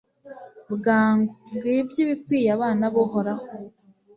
bwangu, ngibyo ibikwiye abana b'uhoraho